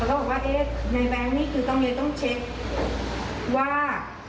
แล้วก็บอกว่าเอ๊ะในแบงค์นี้คือต้องเช็คว่า